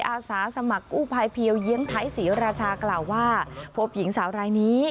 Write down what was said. อาสาสมัครกู้ภัยเพียวเยียงไทยศรีราชากล่าวว่าพบหญิงสาวรายนี้